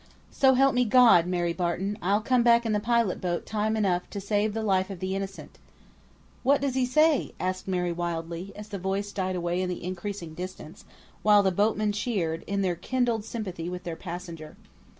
"So help me God, Mary Barton, I'll come back in the pilot boat, time enough to save the life of the innocent." "What does he say?" asked Mary wildly, as the voice died away in the increasing distance, while the boatmen cheered, in their kindled sympathy with their passenger.